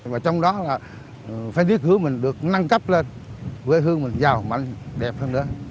và trong đó là phải biết hứa mình được năng cấp lên quê hương mình giàu mạnh đẹp hơn nữa